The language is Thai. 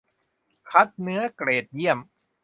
คัดเนื้อเกรดเยี่ยม